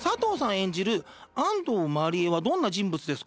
演じる安藤麻理恵はどんな人物ですか？